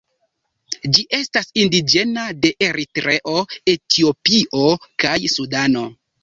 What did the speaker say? Ĝi estas indiĝena de Eritreo, Etiopio, kaj Sudano.